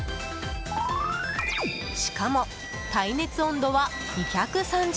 しかも、耐熱温度は２３０度。